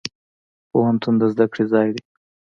پوهنتون د زده کړي ځای دی.